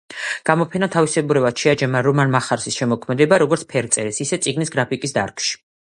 გამოფენამ თავისებურად შეაჯამა რომან მახარაძის შემოქმედება როგორც ფერწერის, ისე წიგნის გრაფიკის დარგში.